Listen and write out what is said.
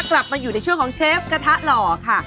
กลับมาอยู่ในช่วงของเชฟกระทะหล่อค่ะ